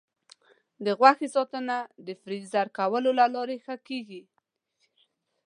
د غوښې ساتنه د فریز کولو له لارې ښه کېږي.